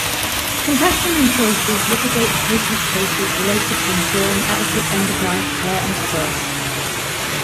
Compassion and Choices litigates patient cases related to ensuring adequate end-of-life care and choice.